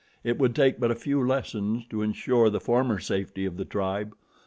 It would take but a few lessons to insure the former safety of the tribe.